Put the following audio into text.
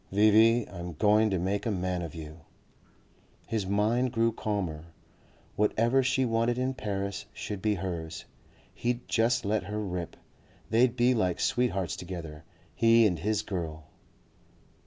"V.V., I'm going to make a man of you...." His mind grew calmer. Whatever she wanted in Paris should be hers. He'd just let her rip. They'd be like sweethearts together, he and his girl.